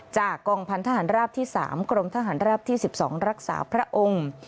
จากกองพันธหารราบที่๓กรมทหารราบที่๑๒รักษาพระองค์